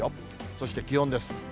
そして気温です。